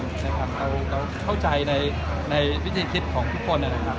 เราเข้าใจในวิธีคิดของทุกคนนะครับ